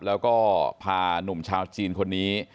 แล้วก็พาหนุ่มชาวจีนคนนี้